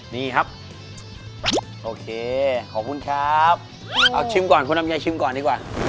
นี่ครับโอเคขอบคุณครับเอาชิมก่อนคุณลำไยชิมก่อนดีกว่า